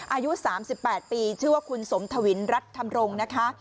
อายุ๓๘ปีชื่อว่าคุณสมทวินรัฐธรรมรงค์นะคะ